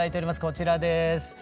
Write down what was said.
こちらです。